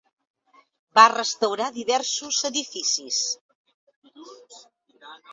Va restaurar diversos edificis.